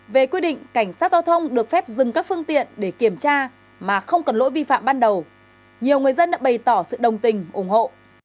về quy định cảnh sát giao thông được phép dừng các phương tiện để kiểm tra mà không cần lỗi vi phạm ban đầu nhiều người dân đã bày tỏ sự đồng tình ủng hộ